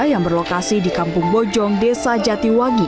yang berlokasi di kampung bojong desa jatiwangi